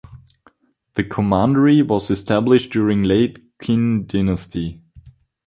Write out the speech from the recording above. The commandery was established during late Qin dynasty.